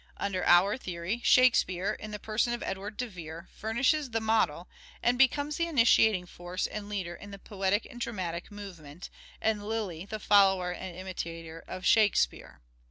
Under our theory " Shake speare/' in the person of Edward de Vere, furnishes the model, and becomes the initiating force and leader in the poetic and dramatic movement, and Lyly the follower and imitator of " Shakespeare."